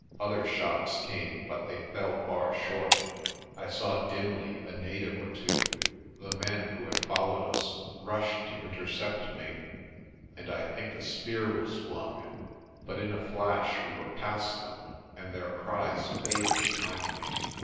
Other shots came, but they fell far short. I saw dimly a native or two the men who had followed us rush to intercept me, and I think a spear was flung. But in a flash we were past them, and their cries faded behind me.